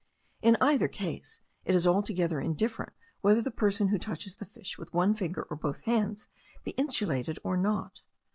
In either case it is altogether indifferent whether the person who touches the fish with one finger or both hands be insulated or not.